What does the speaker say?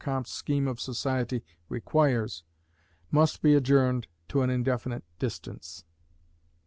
Comte's scheme of society requires, must be adjourned to an indefinite distance.